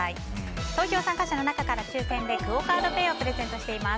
投票者の中から抽選でクオ・カードペイ５００円分をプレゼントしています。